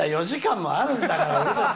４時間もあるんだから！